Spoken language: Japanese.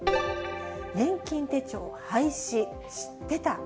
年金手帳廃止、知ってた？